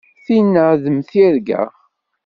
Tinna d mm tirga.